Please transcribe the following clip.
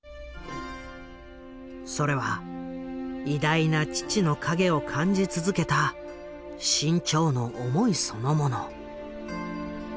それは偉大な父のかげを感じ続けた志ん朝の思いそのもの。